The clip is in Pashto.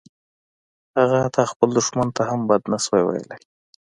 هغه حتی خپل دښمن ته هم بد نشوای ویلای